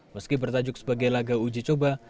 meski bertajuk sebagai laga uji coba